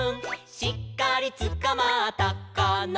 「しっかりつかまったかな」